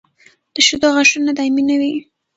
د شېدو غاښونه دایمي نه وي.